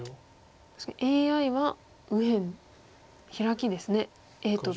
確かにＡＩは右辺ヒラキですねＡとＢ。